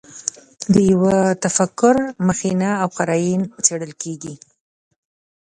د یوه تفکر مخینه او قراین څېړل کېږي.